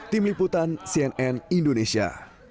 tim liputan cnn indonesia